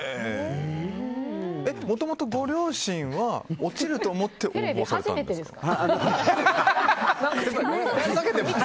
もともとご両親は落ちると思って応募されたんですか？